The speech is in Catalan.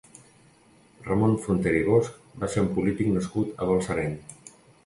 Ramon Frontera i Bosch va ser un polític nascut a Balsareny.